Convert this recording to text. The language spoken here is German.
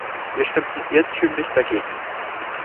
Wir stimmten irrtümlich dagegen.